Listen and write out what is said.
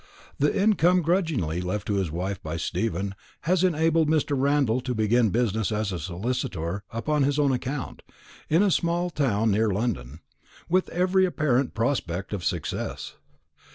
The income grudgingly left to his wife by Stephen has enabled Mr. Randall to begin business as a solicitor upon his own account, in a small town near London, with every apparent prospect of success.